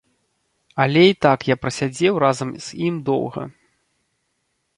Але і так я прасядзеў разам з ім доўга.